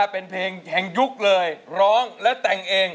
เป็นเพลงแห่งยุคเลยร้องแล้วแต่งเอง